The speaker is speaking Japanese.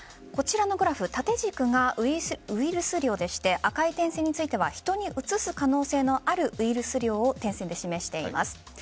こちらのグラフ縦軸がウイルス量でして赤い点線については人にうつす可能性のあるウイルス量を点線で示しています。